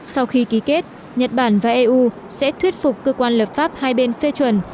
sau khi ký kết nhật bản và eu sẽ thuyết phục cơ quan lập pháp hai bên phê chuẩn